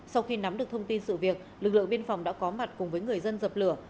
sau khi nắm được thông tin sự việc lực lượng biên phòng đã có mặt cùng với người dân dập lửa